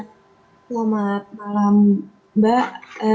selamat malam mbak